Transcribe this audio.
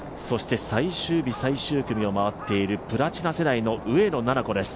最終日、最終組を回っているプラチナ世代の上野菜々子です。